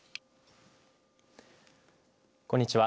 こんにちは。